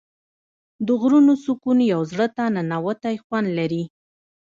د غرونو سکون یو زړه ته ننووتی خوند لري.